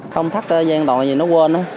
không tắt ghế an toàn vì nó quên